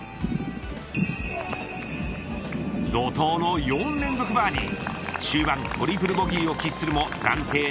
怒とうの４連続バーディー。